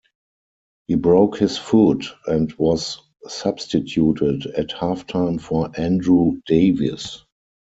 He broke his foot and was substituted at half-time for Andrew Davies.